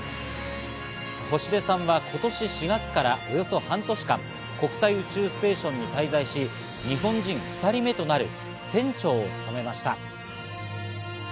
星出さんは今年４月からおよそ半年間、国際宇宙ステーションに滞在し、日本人２人目となる船長を務めました。